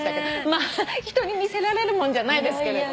まあ人に見せられるもんじゃないですけれど。